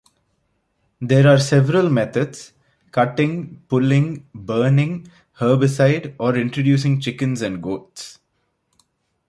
There are several methods, cutting, pulling, burning, herbicide or introducing chickens and goats.